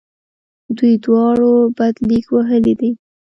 دوی دواړو بدلک وهلی دی.